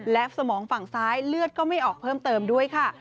และสมองฝั่งซ้ายเลือดก็ไม่ออกเพิ่มเติมด้วยค่ะ